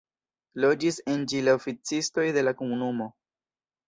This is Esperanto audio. Loĝis en ĝi la oficistoj de la komunumo.